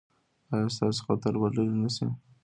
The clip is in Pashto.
ایا ستاسو خطر به لرې نه شي؟